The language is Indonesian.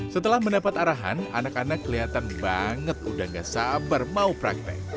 setelah mendapat arahan anak anak kelihatan banget udah gak sabar mau praktek